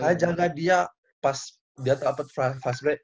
saya jaga dia pas dia dapet fast break